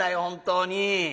本当に。